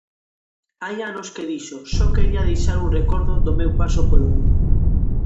Hai anos que dixo: "só quería deixar un recordo do meu paso polo mundo".